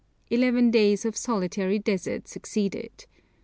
Eleven days of solitary desert succeeded.